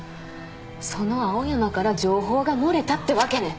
その青山から情報が漏れたってわけね！